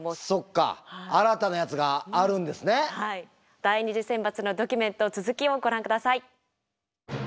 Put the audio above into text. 第２次選抜のドキュメント続きをご覧下さい。